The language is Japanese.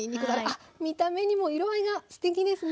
あっ見た目にも色合いがすてきですね。